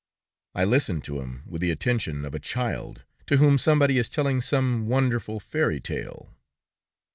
I listened to him with the attention of a child, to whom somebody is telling some wonderful fairy tale.